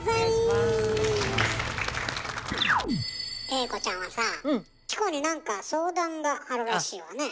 栄子ちゃんはさあチコになんか相談があるらしいわね。